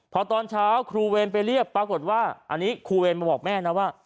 พอตอนเช้าครูเวรไปเรียกปรากฏว่าอันนี้ครูเวรมาบอกแม่นะว่า